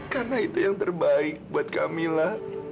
karena itu yang terbaik buat kamila